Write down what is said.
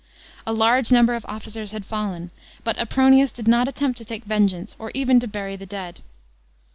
A large number of officers had fallen, but Apronius did not attempt to take vengeance or even to bury the dead.